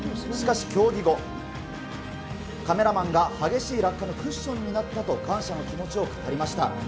しかし競技後、カメラマンが激しい落下のクッションになったと、感謝の気持ちを語りました。